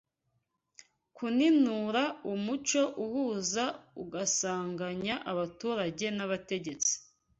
kuninura, umuco uhuza ugasanganya abaturage n’abategetsi